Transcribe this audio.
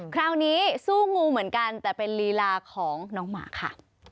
คราวนี้สู้งูเหมือนกันแต่เป็นลีลาของน้องหมาค่ะ